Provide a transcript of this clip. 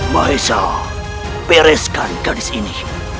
mahesha pereskan gadis ini